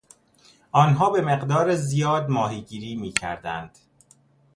آنها به مقدار زیاد ماهیگیری میکردند.